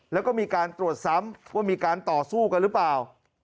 แล้วก็มีการตรวจซ้ำว่ามีการต่อสู้กันหรือเปล่า